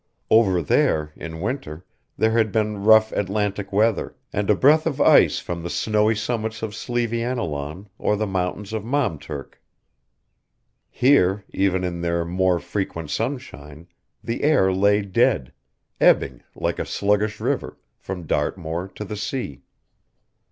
Over there, in winter, there had been rough Atlantic weather, and a breath of ice from the snowy summits of Slieveannilaun or the mountains of Maamturk. Here, even in their more frequent sunshine, the air lay dead, ebbing like a sluggish river, from Dartmoor to the sea.